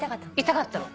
痛かったの。